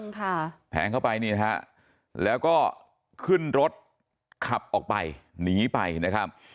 แทงเข้าไปแล้วก็ขึ้นรถขับออกไปหนีไปนะครับ